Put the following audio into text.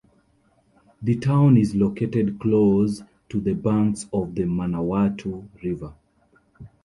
The town is located close to the banks of the Manawatu River.